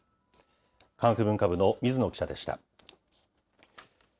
科学文化部の水野記者でした。